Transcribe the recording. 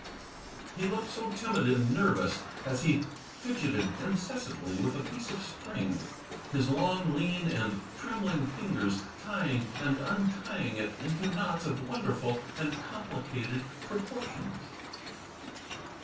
He looked so timid and nervous as he fidgeted incessantly with a piece of string; his long, lean, and trembling fingers tying and untjdng it into knots of wonderful and complicated proportions.